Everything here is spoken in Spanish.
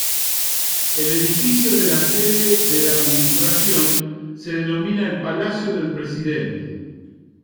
El edificio de la sede de la Administración se denomina el Palacio del Presidente.